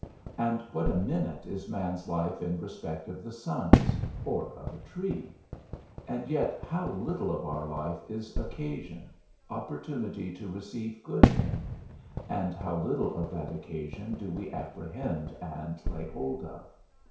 and what a minute is man's life in respect of the sun's, or of a tree? and yet how little of our life is occasion, opportunity to receive good in; and how little of that occasion do we apprehend and lay hold of?